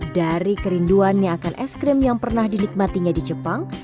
dari kerinduannya akan es krim yang pernah dinikmatinya di jepang